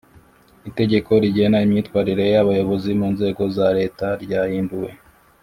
Itegeko rigena imyitwarire yabayobozi mu nzego za Leta ryahinduwe